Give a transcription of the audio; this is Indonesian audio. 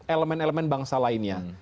elemen elemen bangsa lainnya